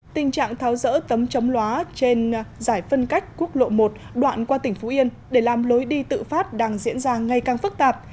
tình trạng tháo rỡ tấm chống lóa trên giải phân cách quốc lộ một đoạn qua tỉnh phú yên để làm lối đi tự phát đang diễn ra ngay càng phức tạp